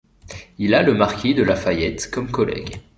Il a le marquis de La Fayette comme collègue.